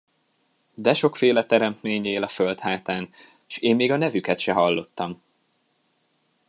De sokféle teremtmény él a föld hátán, s én még a nevüket se hallottam!